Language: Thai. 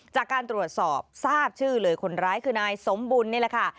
จากการตรวจสอบทราบชื่อเลยคนร้ายคือนายสมบุญนี่แหละค่ะ